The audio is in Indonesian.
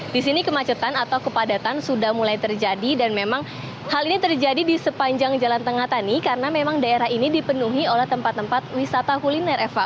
di sini kemacetan atau kepadatan sudah mulai terjadi dan memang hal ini terjadi di sepanjang jalan tengah tani karena memang daerah ini dipenuhi oleh tempat tempat wisata kuliner eva